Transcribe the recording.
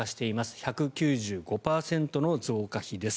１９５％の増加比です。